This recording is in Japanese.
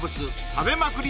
食べまくり